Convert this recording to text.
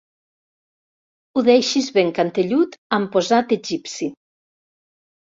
Ho deixis ben cantellut amb posat egipci.